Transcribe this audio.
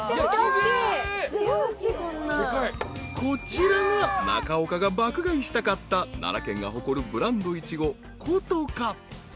［こちらが中岡が爆買いしたかった奈良県が誇るブランドイチゴ古都華］